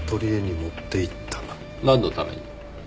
なんのために？